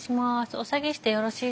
お下げしてよろしいですか？